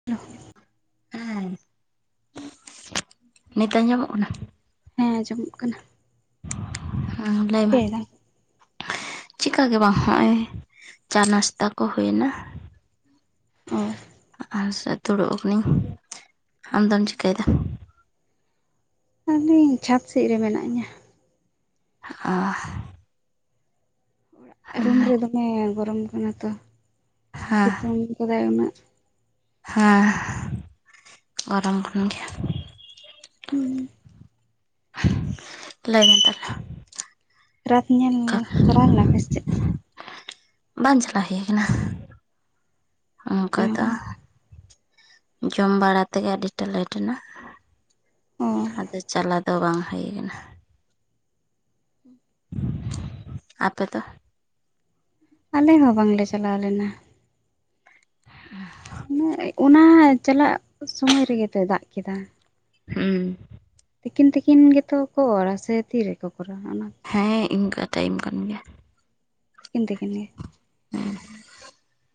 [unintelligible] ᱦᱮᱸ᱾ ᱱᱤᱛ ᱟᱸᱡᱚᱢᱚᱜ ᱠᱟᱱᱟ? ᱦᱮᱸ ᱟᱸᱡᱚᱢᱚᱜ ᱠᱟᱱᱟ᱾ ᱦᱮᱸ ᱞᱟᱹᱭ ᱢᱮ᱾ ᱪᱤᱠᱟᱹᱭ ᱫᱟᱢ ᱪᱤᱠᱟ ᱜᱮ ᱵᱟᱝ ᱦᱚᱸᱜᱼᱚᱭ ᱪᱟ ᱱᱟᱥᱛᱟ ᱠᱚ ᱦᱩᱭ ᱱᱟ᱾ ᱚ᱾ ᱟᱨ ᱫᱩᱲᱩᱵ ᱠᱟᱱᱟᱹᱧ, ᱟᱢᱫᱚᱢ ᱪᱤᱠᱟᱹᱭ ᱫᱟ? ᱟᱞᱤᱧ ᱪᱷᱟᱫᱽ ᱥᱮᱫ ᱨᱮ ᱢᱮᱱᱟᱜ ᱞᱤᱧᱟ᱾ ᱚ᱾ ᱨᱩᱢ ᱦᱮᱸ ᱨᱮ ᱫᱚᱢᱮ ᱜᱚᱨᱚᱢ ᱠᱟᱱᱟ ᱛᱚ ᱥᱤᱛᱩᱝ ᱠᱟᱫᱟᱭ ᱩᱱᱟᱹᱜ᱾ ᱦᱮᱸ, ᱜᱚᱨᱚᱢ ᱠᱟᱱ ᱜᱮᱭᱟ᱾ ᱦᱩᱸ᱾ ᱞᱟᱹᱭ ᱢᱮ ᱛᱟᱦᱚᱞᱮ? ᱨᱟᱛ ᱧᱮᱞ ᱚᱠᱟ ᱪᱟᱞᱟᱣ ᱞᱮᱱᱟ ᱯᱮ ᱥᱮ ᱪᱮᱫ? ᱵᱟᱝ ᱪᱟᱞᱟᱣ ᱦᱳᱭ ᱠᱟᱱᱟ ᱚᱱᱠᱟ ᱫᱚ᱾ ᱡᱚᱢ ᱵᱟᱲᱟ ᱛᱮᱜᱮ ᱟᱹᱰᱤᱴᱟ ᱞᱮᱴ ᱱᱟ ᱚ ᱾ᱟᱫᱚ ᱪᱟᱞᱟᱣ ᱫᱚ ᱵᱟᱝ ᱦᱳᱭ ᱠᱟᱱᱟ᱾ ᱟᱯᱮ ᱫᱚ? ᱟᱞᱮ ᱦᱚᱸ ᱵᱟᱝ ᱞᱮ ᱪᱟᱞᱟᱣ ᱞᱮᱱᱟ᱾ [inaudible] ᱚᱱᱟ ᱪᱟᱞᱟᱜ ᱥᱚᱢᱚᱭ ᱨᱮ ᱜᱮ ᱛᱚᱭ ᱫᱟᱜ ᱠᱮᱫ-ᱟ᱾ ᱦᱩᱸ ᱛᱤᱠᱤᱱ ᱛᱤᱠᱤᱱ ᱜᱮᱛᱚ ᱠᱚ ᱚᱨᱟ ᱥᱮ ᱛᱤᱨᱮ ᱠᱚ ᱠᱚᱨᱟᱣᱟ ᱚᱱᱟ? ᱦᱮᱸ, ᱤᱱᱠᱟᱹ ᱛᱟᱭᱤᱢ ᱠᱟᱱ ᱜᱮᱭᱟ᱾ ᱛᱤᱠᱤᱱ ᱛᱤᱠᱤᱱ ᱜᱮ᱾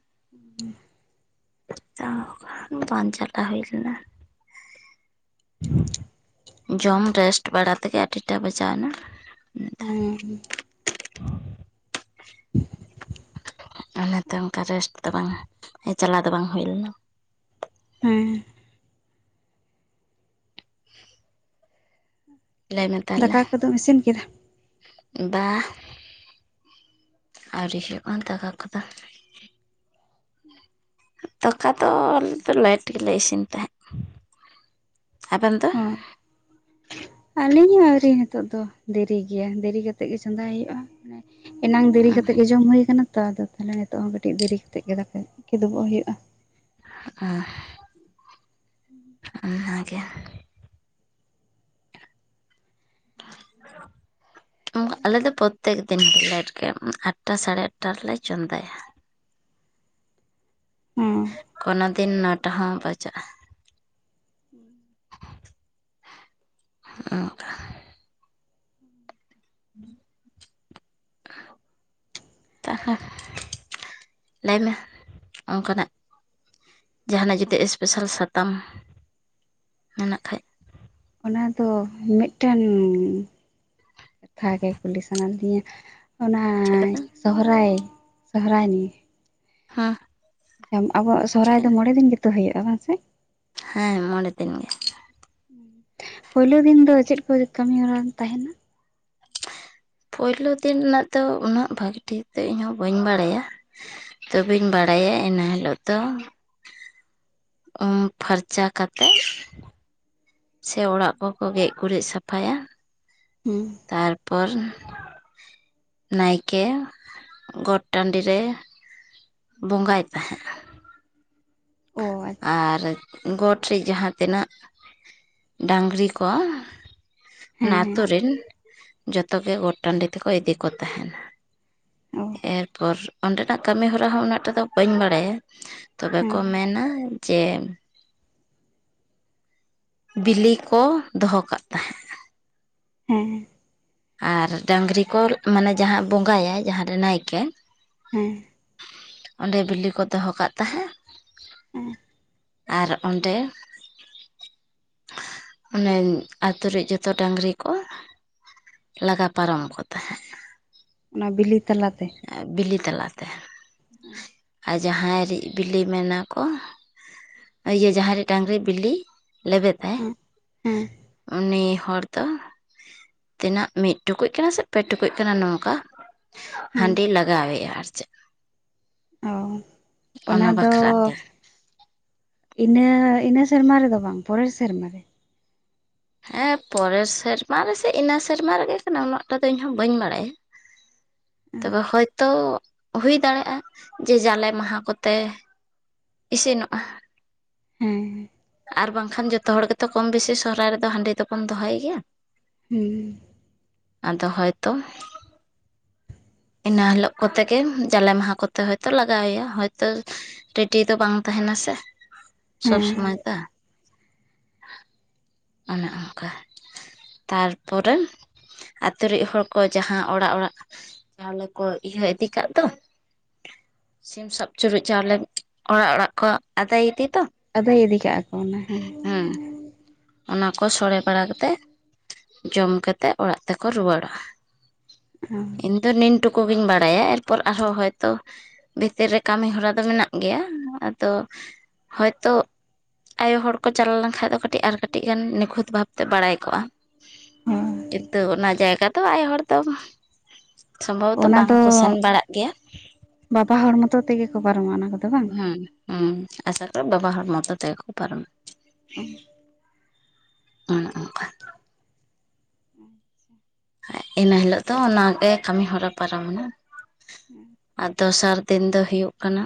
[unintelligible] ᱛᱟ ᱵᱟᱝ ᱪᱟᱞᱟᱣ ᱦᱳᱭ ᱞᱮᱱᱟ᱾ ᱡᱚᱢ ᱦᱮᱸ ᱨᱮᱥᱴ ᱵᱟᱲᱟ ᱛᱮᱜᱮ ᱟᱹᱰᱤ ᱴᱟ ᱵᱟᱡᱟᱣ ᱱᱟ᱾ ᱦᱩᱸ ᱦᱩᱸ᱾ ᱟᱞᱮ ᱦᱮᱸᱛᱚ ᱚᱱᱠᱟ ᱨᱮᱥᱴ ᱫᱚ ᱵᱟᱝ-ᱟ᱾ ᱪᱟᱞᱟᱣ ᱫᱚ ᱵᱟᱝ ᱦᱳᱭ ᱞᱮᱱᱟ᱾ ᱦᱮᱸ᱾ [inaudible] ᱞᱟᱹᱭ ᱢᱮ ᱫᱟᱠᱟ ᱛᱟᱞᱦᱮ᱾ ᱠᱚᱫᱚᱢ ᱤᱥᱤᱱ ᱠᱮᱫᱟ ᱵᱟ ᱟᱹᱣᱨᱤ ᱦᱳᱭᱳᱜᱼᱟ ᱫᱟᱠᱟ ᱠᱚᱫᱚ᱾ ᱫᱟᱠᱟ ᱫᱚ ᱟᱞᱮ ᱫᱚ ᱞᱮᱭᱮᱴ ᱜᱤᱞᱮ ᱤᱥᱤᱱ ᱛᱟᱦᱮᱸᱫ᱾ ᱟᱵᱮᱱ ᱫᱚ? [unintelligible] ᱟᱹᱞᱤᱧ ᱦᱚᱸ ᱟᱹᱣᱨᱤ ᱱᱤᱛᱳᱜ ᱫᱚ ᱫᱮᱨᱤ ᱜᱮᱭᱟ ᱫᱮᱨᱤ ᱠᱟᱛᱮᱫ ᱜᱮ ᱪᱚᱸᱫᱟᱭ ᱦᱳᱭᱳᱜᱼᱟ ᱾ ᱮᱱᱟᱝ ᱫᱮᱨᱤ ᱠᱟᱛᱮᱜ ᱜᱮ ᱡᱚᱢ ᱦᱳᱭ ᱠᱟᱱᱟ᱾ ᱛᱚ ᱟᱫᱚ ᱛᱟᱞᱦᱮ ᱱᱤᱛᱳᱜ ᱦᱚᱸ ᱠᱟᱹᱴᱤᱡ ᱫᱮᱨᱤ ᱠᱟᱛᱮᱜ ᱜᱮ ᱫᱟᱠᱟ ᱠᱮᱫᱳ ᱜᱚᱜ ᱦᱳᱭᱳᱜᱼᱟ᱾ [unintelligible] ᱚᱱᱟ ᱜᱮᱭᱟ᱾ ᱟᱞᱮᱫ ᱫᱚ ᱯᱚᱛᱮᱠ ᱫᱤᱱ ᱜᱮ ᱞᱮᱴ ᱜᱮᱭᱟ᱾ ᱟᱴᱴᱟ ᱥᱟᱲᱮ ᱟᱴᱴᱟ ᱨᱮᱞᱮ ᱪᱚᱸᱫᱟᱭᱟ᱾ ᱚ ᱠᱳᱱᱳ ᱫᱤᱱ ᱱᱚᱴᱟ ᱦᱚᱸ ᱵᱟᱡᱟᱜᱼᱟ᱾ ᱚ [inaudible] ᱛᱟᱦᱟ ᱞᱟᱹᱭ ᱢᱮ ᱚᱱᱠᱟᱱᱟᱜ᱾ ᱡᱟᱦᱟ ᱱᱟᱜ ᱡᱩᱫᱤ ᱮᱥᱯᱮᱥᱟᱞ ᱥᱟᱛᱟᱢ ᱢᱮᱱᱟᱜ ᱠᱷᱟᱡ᱾ ᱚᱱᱟ ᱫᱚ ᱢᱤᱫᱴᱮᱱ ᱠᱟᱛᱷᱟ ᱜᱮ ᱠᱩᱞᱤ ᱥᱟᱱᱟ ᱞᱤᱫᱤᱧᱟ᱾᱾ ᱚᱱᱟ ᱪᱮᱫ ᱠᱟᱛᱮ ᱥᱚᱦᱚᱨᱟᱭ, ᱥᱚᱦᱚᱨᱟᱭ ᱱᱤᱭᱮ᱾ [inaudible] ᱦᱮᱸ ᱟᱵᱚᱣᱟᱜ ᱥᱚᱦᱚᱨᱟᱭ ᱪᱤᱠᱟᱹᱱ ᱫᱚ ᱢᱚᱬᱮᱸ ᱫᱤᱱ ᱜᱮ ᱛᱚ ᱦᱳᱭᱳᱜᱼᱟ ᱵᱟᱝ ᱥᱮ? ᱦᱮᱸ ᱢᱚᱬᱮᱸ ᱫᱤᱱ ᱜᱮ᱾ ᱯᱳᱭᱞᱳ ᱫᱤᱱ ᱫᱚ ᱪᱮᱫ ᱠᱚ ᱠᱟᱹᱢᱤ ᱦᱚᱨᱟ ᱛᱟᱦᱮᱸᱱᱟ? ᱯᱳᱭᱞᱳ ᱫᱤᱱ ᱨᱮᱱᱟᱜ ᱫᱚ ᱩᱱᱟᱹᱜ ᱵᱷᱟᱜᱮ ᱴᱷᱤᱠ ᱫᱚ ᱤᱧ ᱦᱚᱸ ᱵᱟᱹᱧ ᱵᱟᱲᱟᱭᱟ᱾ ᱛᱚ ᱵᱮᱧ ᱵᱟᱲᱟᱭᱟ ᱤᱱᱟᱹ ᱦᱤᱞᱳᱜ ᱫᱚ ᱩᱢ ᱯᱷᱟᱨᱪᱟ ᱠᱟᱛᱮᱜ᱾ ᱥᱮ ᱚᱲᱟᱜ ᱠᱚᱠᱚ ᱜᱮᱡᱽ ᱜᱩᱨᱤᱡᱽ ᱥᱟᱯᱷᱟᱭᱟ ᱦᱮᱸ ᱛᱟᱨᱯᱚᱨ ᱱᱟᱭᱠᱮ ᱜᱚᱴ ᱴᱟᱸᱰᱤ ᱨᱮ ᱵᱚᱸᱜᱟᱭ ᱛᱟᱦᱮᱜ-ᱟ᱾ ᱚ ᱟᱪᱪᱷᱟ ᱟᱨ ᱜᱚᱴ ᱨᱮ ᱡᱟᱦᱟ ᱛᱤᱱᱟᱹᱜ ᱰᱟᱝᱨᱤ ᱠᱚ ᱚᱱᱟ ᱦᱮᱸ ᱟᱛᱳ ᱦᱮᱸ ᱨᱮᱱ ᱡᱚᱛᱚ ᱜᱮ ᱜᱚᱴ ᱴᱟᱺᱰᱤ ᱛᱮᱠᱚ ᱤᱫᱤ ᱠᱚ ᱛᱟᱦᱮᱱ᱾ ᱚ ᱮᱨᱯᱚᱨ ᱚᱸᱰᱮᱱᱟᱜ ᱠᱟᱹᱢᱤ ᱦᱚᱨᱟ ᱦᱚᱸ ᱩᱱᱟᱹᱜ ᱴᱟᱜ ᱫᱚ ᱵᱟᱹᱧ ᱵᱟᱲᱟᱭᱟ᱾ ᱛᱚᱵᱮ ᱦᱮᱸ ᱠᱚ ᱢᱮᱱᱟ ᱡᱮ ᱵᱤᱞᱤ ᱠᱚ ᱫᱚᱦᱚ ᱠᱟᱜ ᱛᱟᱦᱮᱸᱱ᱾ ᱦᱮᱸ ᱟᱨ ᱰᱟᱝᱨᱤ ᱠᱚ ᱢᱟᱱᱮ ᱡᱟᱦᱟᱸ ᱵᱚᱸᱜᱟᱭᱟᱭ ᱡᱟᱦᱟᱸ ᱨᱮ ᱱᱟᱭᱠᱮ ᱦᱮᱸ ᱚᱸᱰᱮ ᱵᱤᱞᱤ ᱠᱚ ᱫᱚᱦᱚ ᱠᱟᱜ ᱛᱟᱦᱮᱸᱫ ᱦᱮᱸ ᱟᱨ ᱚᱸᱰᱮ ᱚᱱᱮ ᱟᱛᱳ ᱨᱮᱡ ᱡᱚᱛᱚ ᱰᱟᱝᱜᱨᱤ ᱠᱚ ᱞᱟᱜᱟ ᱯᱟᱨᱚᱢ ᱠᱚ ᱛᱟᱦᱮᱸᱫ ᱚᱱᱟ ᱵᱤᱞᱤ ᱛᱟᱞᱟᱛᱮ᱾ ᱵᱤᱞᱤ ᱛᱞᱟᱛᱮ ᱦᱮᱸ [inaudible] ᱡᱟᱦᱟᱸᱭ ᱵᱤᱞᱤ ᱢᱮᱱᱟ ᱠᱚ ᱤᱭᱟᱹ ᱡᱟᱦᱟᱸ ᱨᱮ ᱰᱟᱝᱜᱨᱤ ᱵᱤᱞᱤ ᱞᱮᱵᱮᱫᱟᱭ ᱦᱮᱸ ᱩᱱᱤ ᱦᱚᱲ ᱫᱚ ᱛᱤᱱᱟᱹᱜ ᱢᱤᱫ ᱴᱩᱠᱩᱡ ᱠᱟᱱᱟ ᱥᱮ ᱯᱮ ᱴᱩᱠᱩᱡ ᱠᱟᱱᱟ ᱱᱚᱝᱠᱟ ᱦᱮᱸ ᱦᱟᱺᱰᱤ ᱞᱟᱜᱟᱣ ᱟᱭᱟ, ᱟᱨ ᱪᱮᱫ ᱚ ᱚᱱᱟ ᱫᱚ ᱵᱟᱠᱷᱨᱟ ᱛᱮ ᱤᱱᱟᱹ ᱤᱱᱟᱹ ᱥᱮᱨᱢᱟ ᱨᱮᱫᱚ ᱵᱟᱝ ᱯᱚᱨᱮᱨ ᱥᱮᱨᱢᱟ ᱨᱮ? ᱦᱮᱸ ᱯᱚᱨᱮᱨ ᱥᱮᱨᱢᱟ ᱨᱮᱥᱮ ᱤᱱᱟᱹ ᱥᱮᱨᱢᱟ ᱨᱮᱜᱮ ᱠᱟᱱᱟ ᱩᱱᱟᱹᱜ ᱴᱟᱜ ᱫᱚ ᱤᱧ ᱦᱚᱸ ᱵᱟᱹᱧ ᱵᱟᱲᱟᱭᱟ᱾ ᱛᱚᱵᱮ ᱦᱚᱭ ᱛᱚ ᱦᱩᱭ ᱫᱟᱲᱮᱭᱟᱜᱼᱟ ᱡᱮ ᱡᱟᱞᱮ ᱢᱟᱦᱟ ᱠᱚᱛᱮ ᱤᱥᱤᱱᱚᱜᱼᱟ᱾ ᱦᱮᱸ ᱟᱨ ᱵᱟᱝᱠᱷᱟᱱ ᱡᱚᱛᱚ ᱦᱚᱲ ᱜᱮᱛᱚ ᱠᱚᱢ ᱵᱮᱥᱤ ᱥᱚᱨᱦᱟᱭ ᱨᱮᱫᱚ ᱦᱟᱺᱰᱤ ᱫᱚᱵᱚᱱ ᱫᱚᱦᱚᱭ ᱜᱮᱭᱟ᱾ ᱦᱩᱸ ᱟᱫᱚ ᱦᱚᱭ ᱛᱚ ᱤᱱᱟᱹ ᱦᱤᱞᱳᱜ ᱠᱚᱛᱮ ᱜᱮ ᱡᱟᱞᱮ ᱢᱟᱦᱟ ᱠᱚᱛᱮ ᱦᱚᱭ ᱛᱚ ᱞᱟᱜᱟᱣ ᱟᱭᱟ ᱦᱚᱭ ᱛᱚ ᱨᱮᱰᱤ ᱫᱚ ᱵᱟᱝ ᱛᱟᱦᱮᱱᱟ ᱥᱮ ᱥᱚᱵᱽ ᱦᱮᱸ ᱥᱚᱢᱚᱭ ᱫᱚ᱾ [inaudible] ᱚᱱᱮ ᱚᱱᱠᱟ᱾ ᱛᱟᱨ ᱯᱚᱨᱮ ᱟᱛᱳ [inaudible] ᱦᱚᱲ ᱠᱚ ᱡᱟᱦᱟᱸ ᱚᱲᱟᱜ ᱚᱲᱟᱜ ᱛᱟᱦᱞᱮ ᱠᱚ ᱤᱭᱟᱹ ᱤᱫᱤ ᱠᱟᱜ ᱫᱚ ᱥᱤᱢ ᱥᱟᱵ ᱪᱩᱨᱩᱡ ᱪᱟᱣᱞᱮ ᱚᱲᱟᱜ ᱚᱲᱟᱜ ᱠᱚ ᱟᱫᱟᱭ ᱤᱫᱤ ᱫᱚ ᱟᱹᱫᱟᱹᱭ ᱤᱫᱤ ᱠᱟᱜ-ᱟ ᱠᱚ ᱚᱱᱟ ᱦᱮᱸ᱾ ᱚᱱᱟ ᱠᱚ ᱥᱳᱲᱮ ᱵᱟᱲᱟ ᱠᱟᱛᱮᱫ ᱡᱚᱢ ᱠᱟᱛᱮᱫ ᱚᱲᱟᱜ ᱛᱮᱠᱚ ᱨᱩᱣᱟᱹᱲᱟ᱾ [inaudible] ᱤᱧ ᱱᱤᱱ ᱴᱩᱠᱩ ᱜᱤᱧ ᱵᱟᱲᱟᱭᱟ ᱮᱨᱯᱚᱨ ᱟᱨᱦᱚᱸ ᱦᱚᱭᱛᱚ ᱵᱷᱤᱛᱤᱨ ᱨᱮ ᱠᱟᱹᱢᱤ ᱦᱚᱨᱟ ᱫᱚ ᱢᱮᱱᱟᱜ ᱜᱮᱭᱟ ᱟᱫᱚ ᱦᱳᱭ ᱛᱚ ᱟᱭᱳ ᱦᱚᱲ ᱠᱚ ᱪᱟᱞᱟᱣ ᱞᱮᱱᱠᱷᱟᱡ ᱫᱚ ᱠᱟᱹᱴᱤᱡ ᱟᱨ ᱠᱟᱹᱴᱤᱡ ᱟᱹᱰᱤ ᱜᱟᱱ ᱱᱤᱠᱷᱩᱛ ᱵᱷᱟᱵᱛᱮ ᱵᱟᱲᱟᱭ ᱠᱚᱜᱼᱟ᱾ ᱠᱤᱱᱛᱩ ᱚᱱᱟ ᱡᱟᱭᱜᱟ ᱫᱚ ᱟᱭᱳ ᱦᱚᱲ ᱫᱚ ᱥᱚᱢᱵᱷᱚᱵᱚᱛᱚ ᱚᱱᱟ ᱫᱚ ᱵᱟᱝᱠᱚ ᱥᱮᱱ ᱵᱟᱲᱟᱜ ᱜᱮᱭᱟ᱾ ᱵᱟᱵᱟ ᱦᱚᱲ ᱢᱚᱛᱚ ᱛᱮᱜᱮ ᱠᱚ ᱯᱟᱨᱚᱢᱟ ᱚᱱᱟ ᱠᱚᱫᱚ ᱵᱟᱝ? ᱦᱩᱸ ᱩ ᱟᱸᱥᱟ ᱠᱚᱨᱮ ᱵᱟᱵᱟ ᱦᱚᱲ ᱢᱚᱛᱚ ᱛᱮᱜᱮ ᱠᱚ ᱯᱟᱨᱚᱢᱟ᱾ [inaudible] ᱤᱱᱟᱹ ᱦᱤᱞᱳᱜ ᱫᱚ ᱚᱱᱟᱜᱮ ᱠᱟᱹᱢᱤ ᱦᱚᱨᱟ ᱯᱟᱨᱚᱢᱮᱱᱟ᱾ ᱟᱫ ᱫᱚᱥᱟᱨ ᱫᱤᱱ ᱫᱚ ᱦᱩᱭᱩᱜ ᱠᱟᱱᱟ,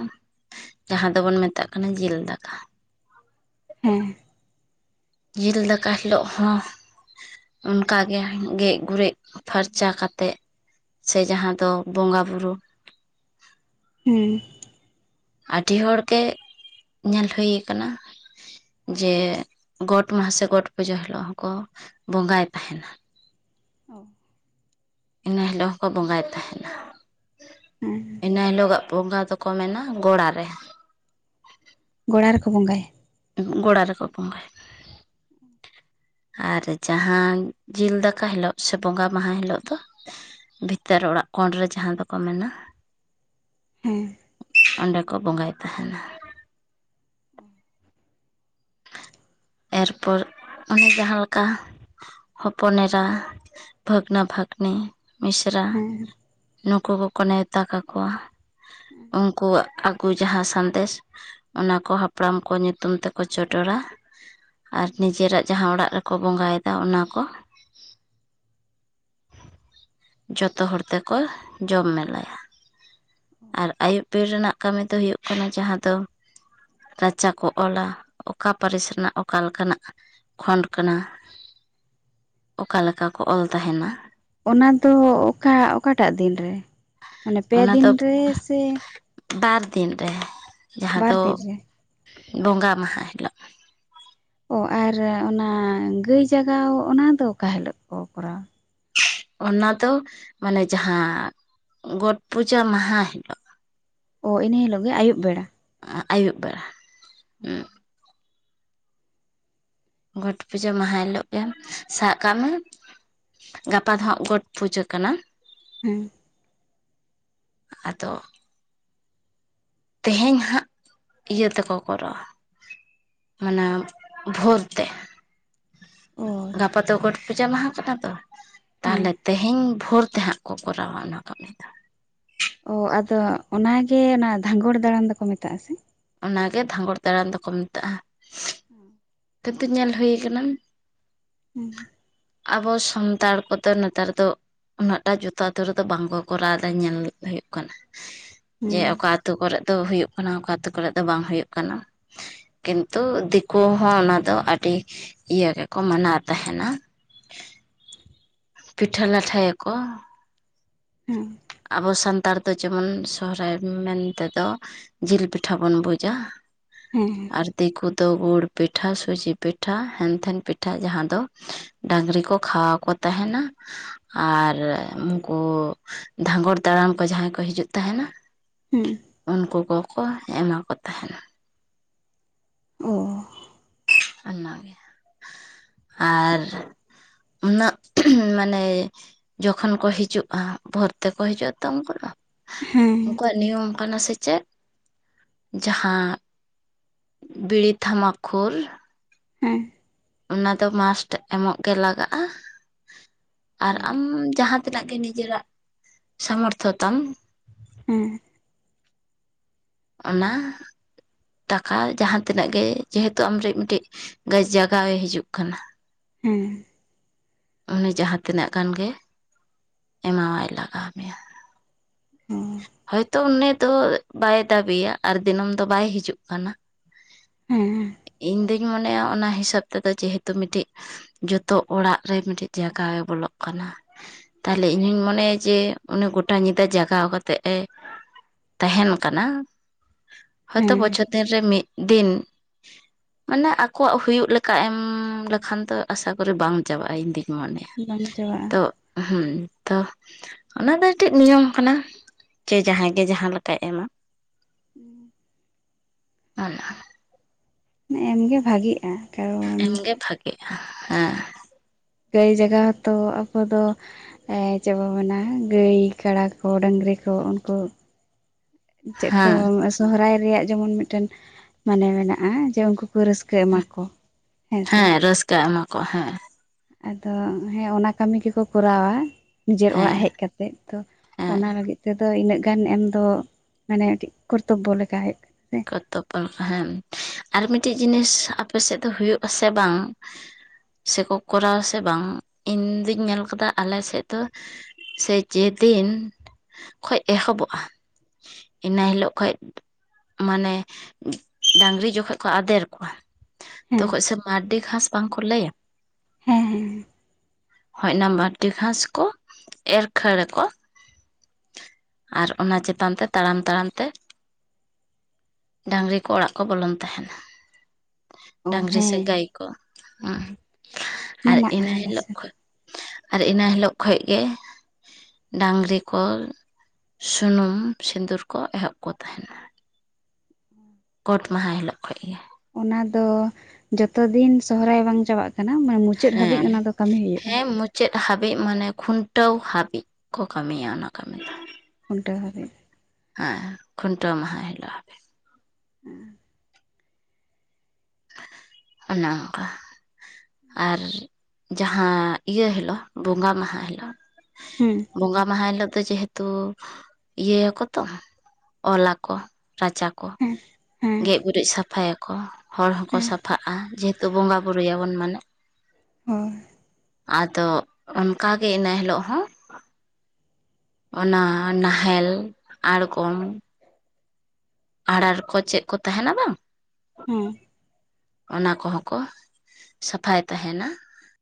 ᱡᱟᱦᱟᱸ ᱫᱚᱵᱚᱱ ᱢᱮᱛᱟᱜ ᱠᱟᱱᱟ ᱡᱤᱞ ᱫᱟᱠᱟ᱾ ᱦᱮᱸ ᱡᱤᱞ ᱫᱟᱠᱟ ᱦᱤᱞᱳᱜ ᱦᱚᱸ ᱚᱱᱠᱟ ᱜᱮ ᱜᱮᱡ ᱜᱩᱨᱤᱡ ᱯᱷᱟᱨᱪᱟ ᱠᱟᱛᱮ ᱥᱮ ᱡᱟᱦᱟᱸ ᱫᱚ ᱵᱚᱸᱜᱟ ᱵᱩᱨᱩ, ᱦᱩᱸ ᱟᱹᱰᱤ ᱦᱚᱲ ᱜᱮ, ᱧᱮᱞ ᱦᱩᱭ ᱟᱠᱟᱱᱟ ᱡᱮ ᱜᱚᱴ ᱢᱟᱦᱟ, ᱥᱮ ᱜᱚᱴ ᱯᱩᱡᱟᱹ ᱦᱤᱞᱳᱜ ᱦᱚᱸᱠᱚ ᱵᱚᱸᱜᱟᱭ ᱛᱟᱦᱮᱱᱟ᱾ ᱤᱱᱟᱹ ᱦᱤᱞᱳᱜ ᱦᱚᱸᱠᱚ ᱵᱚᱸᱜᱟᱭ ᱛᱟᱦᱮᱱᱟ᱾ ᱦᱮᱸ ᱤᱱᱟᱹ ᱦᱤᱞᱳᱜ ᱜᱟᱜ ᱵᱚᱸᱜᱟ ᱫᱚᱠᱚ ᱢᱮᱱᱟ ᱜᱚᱲᱟ ᱨᱮ, ᱜᱚᱲᱟ ᱨᱮᱠᱚ ᱵᱚᱸᱜᱟᱭᱟ, ᱜᱚᱲᱟ ᱨᱮᱠᱚ ᱵᱚᱸᱜᱟᱭ, ᱟᱨ ᱡᱟᱦᱟᱸ ᱡᱤᱞ ᱫᱟᱠᱟ ᱦᱤᱞᱳᱜ, ᱥᱮ ᱵᱚᱸᱜᱟ ᱢᱟᱦᱟ ᱦᱤᱞᱳᱜ ᱫᱚ, ᱵᱷᱤᱛᱟᱹᱨ ᱚᱲᱟᱜ ᱠᱚᱰ ᱨᱮ ᱡᱟᱦᱟᱸ ᱫᱚᱠᱚ ᱢᱮᱱᱟ ᱦᱩᱸ ᱚᱸᱰᱮ ᱠᱚ ᱵᱚᱸᱜᱟᱭ ᱛᱟᱦᱮᱱᱟ᱾ ᱮᱨᱯᱚᱨ, ᱚᱱᱮ ᱡᱟᱦᱟᱸ ᱞᱮᱠᱟ ᱦᱚᱯᱚᱱ ᱮᱨᱟ, ᱵᱷᱟᱹᱜᱽᱱᱟᱹ, ᱵᱷᱟᱜᱽᱱᱤ, ᱢᱤᱥᱨᱟ, ᱦᱮᱸ ᱱᱩᱠᱩ ᱠᱚᱠᱚ ᱱᱮᱣᱛᱟ ᱠᱟᱠᱚᱣᱟ᱾ ᱩᱱᱠᱩᱣᱟᱜ ᱟᱜᱩ ᱡᱟᱦᱟᱸ ᱥᱟᱸᱫᱮᱥ ᱚᱱᱟᱠᱚ ᱦᱟᱯᱲᱟᱢ ᱠᱚ, ᱧᱩᱛᱩᱢ ᱛᱮᱠᱚ ᱪᱚᱰᱚᱨᱟ᱾ ᱟᱨ ᱱᱤᱡᱮᱨᱟᱜ ᱡᱟᱦᱟᱸ ᱚᱲᱟᱜ ᱨᱮᱠᱚ ᱵᱚᱸᱜᱟ ᱭᱮᱫᱟ ᱚᱱᱟ ᱠᱚ ᱡᱚᱛᱚ ᱦᱚᱲ ᱛᱮᱠᱚ ᱡᱚᱢ ᱢᱮᱞᱟᱭᱟ᱾ ᱟᱨ ᱟᱹᱭᱩᱵ ᱵᱤᱨ ᱨᱮᱱᱟᱜ ᱠᱟᱹᱢᱤ ᱫᱚ ᱦᱩᱭᱩᱜ ᱠᱟᱱᱟ, ᱡᱟᱦᱟᱸ ᱫᱚ ᱨᱟᱪᱟ ᱠᱚ ᱚᱞᱟ, ᱚᱠᱟ ᱯᱟᱹᱨᱤᱥ ᱨᱮᱱᱟᱜ ᱚ ᱚᱠᱟ ᱞᱮᱠᱟᱱᱟᱜ ᱠᱷᱚᱸᱰ ᱠᱟᱱᱟ, ᱚᱠᱟᱮᱠᱟ ᱠᱚ ᱚᱞ ᱛᱟᱦᱮᱱᱟ, ᱚᱱᱟ ᱫᱚ ᱚᱠᱟ, ᱚᱠᱟᱴᱟᱜ ᱫᱤᱱ ᱨᱮ? ᱢᱟᱱᱮ ᱯᱮ ᱚᱱᱟ ᱫᱤᱱ ᱫᱚ ᱨᱮ ᱥᱮ ᱵᱟᱨ ᱫᱤᱱ ᱨᱮ, ᱡᱟᱦᱟᱸ ᱵᱟᱨ ᱫᱚ ᱫᱤᱱ ᱨᱮ ᱵᱚᱸᱜᱟ ᱢᱟᱦᱟ ᱦᱤᱞᱳᱜ᱾ ᱚ ᱟᱨ ᱚᱱᱟ ᱜᱟᱹᱭ ᱡᱟᱜᱟᱣ ᱚᱱᱟ ᱫᱚ ᱚᱠᱟ ᱦᱤᱞᱳᱜ ᱠᱚ ᱠᱚᱨᱟᱣᱟ? ᱚᱱᱟ ᱫᱚ ᱢᱟᱱᱮ ᱡᱟᱦᱟᱸ, ᱜᱚᱴ ᱯᱩᱡᱟᱹ ᱢᱟᱦᱟ ᱦᱤᱞᱳᱜ᱾ ᱚ ᱤᱱᱟᱹ ᱦᱤᱞᱳᱜ ᱜᱮ, ᱟᱭᱩᱵ ᱵᱮᱲᱟ᱾ ᱟᱭᱩᱵ ᱵᱟᱲᱟ, ᱦᱩ᱾ ᱜᱚᱴ ᱯᱩᱡᱟᱹ ᱢᱟᱦᱟ ᱦᱤᱞᱳᱜ ᱜᱮ ᱥᱟᱵ ᱠᱟᱜ ᱢᱮ, ᱜᱟᱯᱟ ᱫᱚ ᱦᱟᱸᱜ ᱜᱚᱴ ᱯᱩᱡᱟᱹ ᱠᱟᱱᱟ, ᱦᱮᱸ [unintelligible] ᱟᱫᱚ ᱛᱮᱦᱮᱧ ᱦᱟᱸᱜ, ᱤᱭᱟᱹ ᱛᱮᱠᱚ ᱠᱚᱨᱟᱣᱟ᱾ ᱢᱟᱱᱟᱢ ᱵᱷᱳᱨ ᱛᱮ᱾ ᱚ ᱜᱟᱯᱟ ᱫᱚ ᱜᱚᱴ ᱯᱩᱡᱟᱹ ᱢᱟᱦᱟ ᱠᱟᱱᱟ ᱛᱚ, ᱦᱮᱸ ᱛᱟᱦᱞᱮ ᱛᱮᱦᱮᱧ ᱵᱷᱳᱨ ᱛᱮ ᱦᱟᱸᱜ ᱠᱚ ᱠᱚᱨᱟᱣᱟ, ᱚᱱᱟ ᱠᱟᱹᱢᱤ ᱫᱚ᱾ ᱚ ᱟᱫᱚ ᱚᱱᱟ ᱜᱮ, ᱚᱱᱟ ᱫᱷᱟᱝᱜᱚᱲ ᱫᱟᱲᱟᱱ ᱫᱚᱠᱚ ᱢᱮᱛᱟᱜᱼᱟ ᱥᱮ? ᱚᱱᱟᱜᱮ ᱫᱷᱟᱸᱜᱚᱲ ᱫᱟᱲᱟᱱ ᱫᱚᱠᱚ ᱢᱮᱛᱟᱜᱼᱟ᱾ ᱦᱮᱸ [unintelligible] ᱧᱮᱞ ᱦᱩᱭᱩ ᱟᱠᱟᱱᱟ᱾ ᱦᱮᱸ ᱟᱵᱚ ᱥᱟᱱᱛᱟᱲ ᱠᱚᱫᱚ ᱱᱮᱛᱟᱨ ᱫᱚ ᱩᱱᱟᱹᱜ ᱴᱟ ᱡᱚᱛᱚᱱ ᱟᱛᱩ ᱨᱮᱫᱚ ᱵᱟᱝ ᱠᱚ ᱠᱚᱨᱟᱣ ᱫᱟ ᱧᱮᱞ ᱦᱩᱭᱩᱜ ᱠᱟᱱᱟ᱾ ᱡᱮ ᱦᱮᱸ ᱚᱠᱟ ᱟᱛᱳ ᱠᱚᱨᱮ ᱛᱚ ᱦᱩᱭᱩᱜ ᱠᱟᱱᱟ ᱚᱠᱟ ᱟᱛᱳ ᱠᱚᱨᱮ ᱫᱚ ᱵᱟᱝ ᱦᱩᱭᱩᱜ ᱠᱟᱱᱟ ᱠᱤᱱᱛᱩ ᱫᱤᱠᱩ ᱦᱚᱸ ᱚᱱᱟ ᱫᱚ ᱟᱹᱰᱤ ᱤᱭᱟᱹ ᱜᱮᱠᱚ ᱢᱟᱱᱟᱣ ᱛᱟᱦᱮᱱᱟ᱾ ᱯᱤᱴᱷᱟᱹ ᱞᱟᱴᱷᱟᱭᱟ ᱠᱚ᱾ ᱦᱮᱸ ᱟᱵᱚ ᱥᱟᱱᱛᱟᱲ ᱫᱚ ᱡᱮᱢᱚᱱ ᱥᱚᱦᱨᱟᱭ ᱢᱮᱱ ᱛᱮᱫᱚ ᱡᱤᱞ ᱯᱤᱴᱷᱟᱹ ᱵᱚᱱ ᱵᱩᱡᱟ᱾ ᱦᱮᱸ ᱟᱨ ᱫᱤ ᱠᱚᱫᱚ ᱜᱩᱲ ᱯᱤᱴᱷᱟᱹ ᱥᱩᱡᱤ ᱯᱤᱴᱷᱟᱹ ᱦᱮᱱᱛᱮᱱ ᱯᱤᱴᱷᱟᱹ ᱡᱟᱦᱟᱸ ᱫᱚ ᱰᱟᱝᱨᱤ ᱠᱚ ᱠᱷᱟᱣᱟᱣ ᱠᱚ ᱛᱟᱦᱮᱱᱟ ᱟᱨ ᱩᱱᱠᱩ ᱫᱷᱟᱸᱜᱚᱲ ᱛᱟᱲᱟᱲ ᱠᱚ ᱡᱟᱦᱟᱸᱭ ᱠᱚ ᱦᱤᱡᱩᱜ ᱛᱟᱦᱮᱱᱟ ᱦᱩᱸ ᱩᱱᱠᱩ ᱠᱚᱠᱚ ᱮᱢᱟ ᱠᱚ ᱛᱟᱦᱮᱱᱟ ᱚ ᱚᱱᱟᱜᱮ ᱟᱨ ᱩᱱᱟᱹᱜ ᱢᱟᱱᱮ ᱡᱚᱠᱷᱚᱱ ᱠᱚ ᱦᱤᱡᱩᱜᱼᱟ ᱵᱷᱳᱨ ᱛᱮᱠᱚ ᱦᱤᱡᱩᱜᱼᱟ ᱛᱚ ᱩᱱᱠᱩ ᱫᱚ ᱦᱮᱸ ᱩᱱᱠᱩᱣᱟᱜ ᱱᱤᱭᱚᱢ ᱠᱟᱱᱟ ᱥᱮ ᱪᱮᱫ ᱡᱟᱦᱟᱸ ᱵᱤᱲᱤ ᱛᱷᱟᱢᱟ ᱠᱷᱩᱨ ᱦᱮᱸ ᱟᱫᱚ ᱢᱟᱥᱴ ᱮᱢᱚᱜ ᱜᱮ ᱞᱟᱜᱟᱜᱼᱟ᱾ ᱟᱨ ᱚ ᱟᱢ ᱡᱟᱦᱟᱸ ᱛᱤᱱᱟᱹᱜ ᱜᱮ ᱱᱤᱡᱮᱨᱟᱜ ᱥᱟᱢᱚᱨᱛᱷᱚ ᱛᱟᱢ ᱦᱮᱸ ᱚᱱᱟ ᱴᱟᱠᱟ ᱡᱟᱦᱟᱸ ᱛᱤᱱᱟᱹᱜ ᱜᱮ ᱡᱮᱦᱮᱛᱩ ᱟᱢᱨᱮ ᱢᱤᱫᱴᱮᱱ ᱜᱟᱹᱭ ᱡᱟᱜᱟᱣᱮ ᱦᱤᱡᱩᱜ ᱠᱟᱱᱟ ᱦᱮ ᱩᱱᱤ ᱡᱟᱦᱟ ᱛᱤᱱᱟᱹᱜ ᱜᱟᱱ ᱜᱮ ᱮᱢᱟᱣᱟᱭ ᱞᱟᱜᱟᱣ ᱢᱮᱭᱟ ᱚ ᱛᱚ ᱩᱱᱤ ᱫᱚ ᱵᱟᱭ ᱫᱟᱹᱵᱤᱭᱟ ᱟᱨ ᱫᱤᱱᱟᱹᱢ ᱫᱚ ᱵᱟᱭ ᱦᱤᱡᱩᱜ ᱠᱟᱱᱟ ᱦᱮᱸ ᱤᱧ ᱫᱩᱧ ᱢᱚᱱᱮᱭᱟ ᱚᱱᱟ ᱦᱤᱥᱟᱹᱵ ᱛᱮᱫᱚ ᱡᱮᱦᱮᱛᱩ ᱢᱤᱫᱴᱤᱡ ᱡᱚᱛᱚ ᱚᱲᱟᱜ ᱨᱮ ᱢᱤᱫᱴᱤᱡ ᱡᱟᱭᱜ ᱜᱮ ᱵᱚᱞᱚᱜ ᱠᱟᱱᱟ ᱛᱟᱦᱚᱞᱮ ᱤᱧᱦᱚᱧ ᱢᱚᱱᱮᱭᱟ ᱡᱮ ᱚᱱᱮ ᱜᱚᱴᱟ ᱧᱤᱫᱟᱹ ᱡᱟᱜᱟᱣ ᱠᱟᱛ ᱛᱮ ᱮ ᱛᱟᱦᱮᱱ ᱠᱟᱱᱟ ᱦᱚᱭᱛᱚ ᱦᱮᱸ ᱵᱚᱪᱷᱚᱨ ᱫᱤᱱ ᱨᱮ ᱢᱤᱫ ᱫᱤᱱ ᱢᱟᱱᱮ ᱟᱠᱚᱣᱟᱜ ᱦᱩᱭᱩᱜ ᱞᱮᱠᱟ ᱮᱢ ᱞᱮᱠᱷᱟᱱ ᱫᱚ ᱟᱥᱟ ᱠᱚᱨᱮ ᱵᱟᱝ ᱪᱟᱵᱟᱜᱼᱟ ᱤᱧ ᱫᱤᱧ ᱢᱚᱱᱮᱭᱟ ᱵᱟᱝ ᱪᱟᱵᱟᱜᱼᱟ ᱛᱚ ᱦᱩ ᱛᱚ ᱚᱱᱟ ᱫᱚ ᱢᱤᱫᱴᱮᱱ ᱱᱤᱭᱚᱢ ᱠᱟᱱᱟ᱾ ᱡᱮ ᱡᱟᱦᱟᱸᱭ ᱜᱮ ᱡᱟᱦᱟᱸ ᱞᱮᱠᱟᱭ ᱮᱢᱟ ᱚᱱᱟ ᱮᱢᱜᱮ ᱵᱷᱟᱜᱤᱜᱼᱟ ᱠᱟᱨᱚᱱ ᱮᱢᱜᱮ ᱵᱷᱟᱜᱤᱜᱼᱟ ᱦᱮᱸ ᱜᱟᱹᱭ ᱡᱟᱜᱟᱣ ᱦᱚᱛᱚ ᱟᱠᱚ ᱫᱚ ᱮᱜ ᱪᱮᱫ ᱵᱚ ᱢᱮᱱᱟ ᱜᱟᱹᱭ ᱠᱟᱰᱟ ᱠᱚ ᱰᱝᱨᱤ ᱠᱚ ᱩᱱᱠᱩ ᱪᱮᱫ ᱠᱚ ᱦᱮᱸ ᱥᱚᱦᱨᱟᱭ ᱨᱮᱭᱟᱜ ᱡᱮᱢᱚᱱ ᱢᱤᱫᱴᱮᱱ ᱢᱟᱱᱮ ᱢᱮᱱᱟᱜᱼᱟ ᱡᱮ ᱩᱱᱠᱩ ᱠᱚ ᱨᱟᱹᱥ ᱠᱟᱹ ᱮᱢᱟᱠᱚ ᱦᱮᱸ ᱥᱮ ᱪᱮ ᱮᱢᱟ ᱠᱚ ᱦᱮᱸ ᱟᱫᱚ ᱦᱮᱸ ᱚᱱᱟ ᱠᱟᱹᱢᱤ ᱜᱮᱠᱚ ᱠᱚᱨᱟᱣᱟ ᱱᱤᱡᱮᱨ ᱚᱲᱟᱜ ᱦᱮᱸ ᱦᱮᱡ ᱠᱟᱛ ᱮᱫ ᱛᱚ ᱦᱮᱸ ᱚᱱᱟ ᱞᱟᱹᱜᱤᱫ ᱛᱮᱫᱚ ᱤᱱᱟᱹᱜ ᱜᱟᱱ ᱮᱢ ᱫᱚ ᱢᱟᱱᱮ ᱠᱟᱹᱴᱤᱡ ᱠᱚᱨᱛᱚᱵᱽᱵᱚ ᱞᱮᱠᱟ ᱦᱩᱭᱩᱜ ᱠᱟᱱᱟ ᱥᱮ ᱠᱚᱛᱚᱵ ᱦᱮᱸ ᱟᱨ ᱢᱤᱫᱴᱤᱡ ᱡᱤᱱᱤᱥ ᱟᱯᱮ ᱥᱮᱫ ᱫᱚ ᱦᱩᱭᱩᱜ-ᱟ ᱥᱮ ᱵᱟᱝ, ᱥᱮᱠᱚ ᱠᱚᱨᱟᱣᱟ ᱥᱮ ᱵᱟᱝ, ᱤᱧ ᱫᱩᱧ ᱧᱮᱞ ᱠᱟᱫᱟ ᱟᱞᱮ ᱥᱮᱫ ᱫᱚ ᱥᱮ ᱡᱮ ᱫᱤᱱ ᱠᱷᱚᱡ ᱮᱦᱚᱵᱚᱜ-ᱟ ᱤᱱᱟᱹ ᱦᱤᱞᱳᱜ ᱠᱷᱚᱡ ᱢᱟᱱᱮ ᱰᱟᱹᱝᱨᱤ ᱡᱚᱸ ᱠᱷᱚᱡ ᱠᱚ ᱟᱫᱮᱨ ᱠᱚᱣᱟ, ᱦᱮᱸ ᱛᱚᱠᱷᱚᱡ ᱥᱮ ᱢᱟᱹᱨᱰᱤ ᱜᱷᱟᱸᱥ ᱵᱟᱝ ᱠᱚ ᱞᱟᱹᱭᱟ᱾ ᱦᱮᱸ ᱦᱮᱸ ᱦᱚᱡ ᱱᱟ ᱢᱟᱹᱨᱰᱤ ᱜᱷᱟᱸᱥ ᱠᱚ ᱮᱨ ᱠᱷᱟᱹᱲ ᱟᱠᱚ᱾ ᱟᱨ ᱚᱱᱟ ᱪᱮᱛᱟᱱ ᱛᱮ ᱛᱟᱲᱟᱢ ᱛᱟᱲᱟᱢ ᱛᱮ ᱰᱟᱹᱝᱨᱤ ᱠᱚ ᱚᱲᱟᱜ ᱠᱚ ᱵᱚᱞᱚᱱ ᱛᱟᱦᱮᱱᱟ ᱚ ᱰᱟᱹᱝᱨᱤ ᱥᱮ ᱦᱮᱸ ᱜᱟᱹᱭ᱾ ᱠᱚ ᱩᱸ ᱟᱨ ᱢᱮᱱᱟᱜᱼᱟ ᱤᱱᱟᱹ ᱟᱞᱮ ᱦᱤᱞᱳᱜ ᱥᱮᱫ ᱠᱷᱚᱡ ᱟᱨ ᱤᱱᱟᱹ ᱦᱤᱞᱳᱜ ᱠᱷᱚᱡ ᱜᱮ ᱰᱟᱹᱝᱨᱤ ᱠᱚ ᱥᱩᱱᱩᱢ ᱥᱤᱸᱫᱩᱨ ᱠᱚ ᱮᱦᱚᱵ ᱠᱚ ᱛᱟᱦᱮᱱᱟ᱾ ᱩᱸ ᱠᱳᱴ ᱢᱟᱦᱟ ᱦᱤᱞᱳᱜ ᱠᱷᱚᱡ ᱜᱮ ᱚᱱᱟ ᱫᱚ ᱡᱚᱛᱚ ᱫᱤᱱ ᱥᱚᱦᱨᱟᱭ ᱵᱟᱝ ᱪᱟᱵᱟᱜ ᱠᱟᱱᱟ ᱢᱟᱱᱮ ᱢᱩᱪᱟᱹᱫ ᱦᱟᱹᱵᱤᱡ ᱚᱱᱟ ᱫᱚ ᱠᱟᱹᱢᱤ ᱦᱩᱭᱩᱜ-ᱟ᱾ ᱪᱮᱫ ᱦᱟᱹᱵᱤᱡ ᱢᱟᱱᱮ ᱠᱷᱩᱱᱴᱟᱹᱣ ᱦᱟᱹᱵᱤᱡ ᱠᱚ ᱠᱟᱹᱢᱤᱭᱟ ᱚᱱᱟ ᱠᱟᱹᱢᱤ ᱫᱚ᱾ ᱠᱷᱩᱱᱴᱟᱹᱣ ᱦᱟᱹᱵᱤᱡ ᱦᱮᱸ ᱠᱷᱩᱱᱴᱟᱹᱣ ᱢᱟᱦᱟᱸ ᱦᱤᱞᱚᱜ ᱦᱟᱹᱵᱤᱡ᱾ ᱦᱮᱸ ᱚᱱᱮ ᱚᱝᱠᱟ ᱟᱨ ᱡᱟᱦᱟᱸ ᱤᱭᱟᱹ ᱦᱤᱞᱳᱜ ᱵᱚᱸᱜᱟ ᱢᱟᱦᱟ ᱦᱤᱞᱳᱜ ᱦᱮᱸ ᱵᱚᱸᱜᱟ ᱢᱟᱦᱟ ᱦᱤᱞᱳᱜ ᱫᱚ ᱡᱮᱦᱮᱛᱩ ᱤᱭᱟᱹ ᱟᱠᱚ ᱛᱚ ᱚᱞᱟ ᱠᱚ ᱨᱟᱪᱟ ᱠᱚ ᱦᱮᱸ ᱦᱮᱸ ᱜᱮᱡ ᱜᱩᱨᱤᱡ ᱥᱟᱯᱷᱟᱭ ᱟᱠᱚ᱾ ᱦᱚᱲ ᱦᱚᱸᱠᱚ ᱦᱮᱸ ᱥᱟᱯᱷᱟᱜ-ᱟ, ᱡᱮᱦᱮᱛᱩ ᱵᱚᱸᱜᱟ ᱵᱩᱨᱩᱭ ᱟᱵᱚᱱ ᱢᱟᱱᱮ ᱦᱳᱭ, ᱟᱫᱚ ᱚᱱᱠᱟ ᱜᱮ ᱤᱱᱟᱹ ᱦᱤᱞᱳᱜ ᱦᱚᱸ ᱚᱱᱟ ᱱᱟᱦᱮᱞ, ᱟᱬᱜᱚᱢ ᱟᱲᱟᱬ ᱠᱚ ᱪᱮᱜ ᱠᱚ ᱛᱟᱦᱮᱱᱟ ᱵᱟᱝ ᱦᱩᱸ ᱚᱱᱟ ᱠᱚᱦᱚᱸ ᱠᱚ ᱥᱟᱯᱷᱟᱭ ᱛᱟᱦᱮᱱᱟ